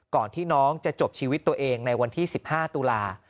ก่อนที่น้องจะจบชีวิตตัวเองในวันที่๑๕ตุลา